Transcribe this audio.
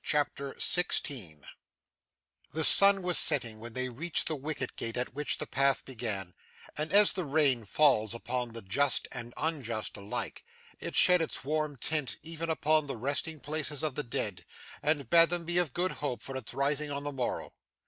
CHAPTER 16 The sun was setting when they reached the wicket gate at which the path began, and, as the rain falls upon the just and unjust alike, it shed its warm tint even upon the resting places of the dead, and bade them be of good hope for its rising on the morrow.